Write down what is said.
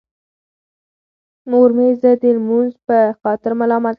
مور مې زه د لمونځ په خاطر ملامت کړم.